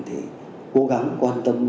thì cố gắng quan tâm